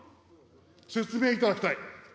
説明いただきたい。